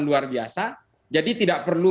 luar biasa jadi tidak perlu